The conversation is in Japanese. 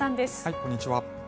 こんにちは。